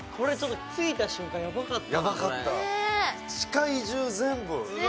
ついた瞬間、やばかった。